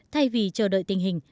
thay vì chờ đợi tình hình